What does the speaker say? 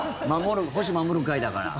捕手守る会だから。